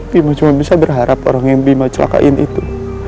bima cuma bisa berharap orang yang bima celakain itu